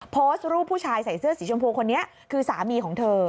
โพสต์รูปผู้ชายใส่เสื้อสีชมพูคนนี้คือสามีของเธอ